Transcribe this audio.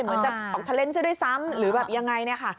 เหมือนจะออกเทอร์เลนส์เสื้อด้วยซ้ำหรือแบบยังไงนี่ค่ะ